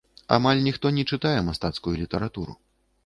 Амаль ніхто не чытае мастацкую літаратуру.